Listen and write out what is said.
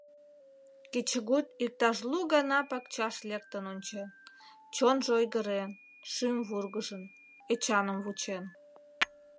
Кечыгут иктаж лу гана пакчаш лектын ончен, чонжо ойгырен, шӱм вургыжын, Эчаным вучен.